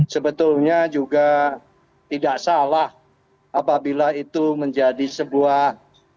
sebetulnya juga tidak salah apabila itu menjadi sebuah